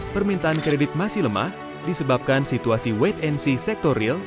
permintaan kredit masih lemah disebabkan situasi wait and see sektor real